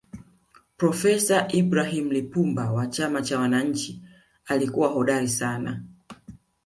profesa ibrahim lipumba wa chama cha wananchi alikuwa hodari sana